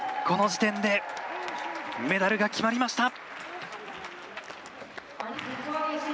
この時点でメダルが決まりました！